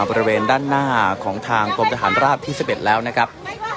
บริเวณด้านหน้าของทางกรมทหารราบที่๑๑แล้วนะครับ